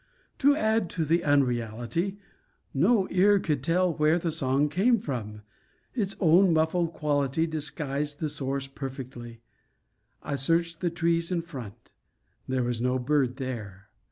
To add to the unreality, no ear could tell where the song came from; its own muffled quality disguised the source perfectly. I searched the trees in front; there was no bird there.